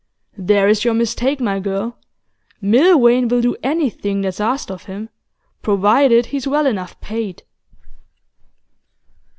'There is your mistake, my girl. Milvain will do anything that's asked of him, provided he's well enough paid.